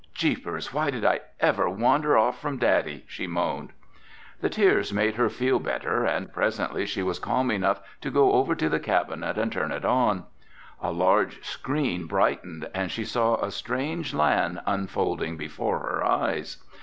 "Jeepers, why did I ever wander off from Daddy?" she moaned. The tears made her feel better and presently she was calm enough to go over to the cabinet and turn it on. A large screen brightened and she saw a strange land unfolding before her eyes.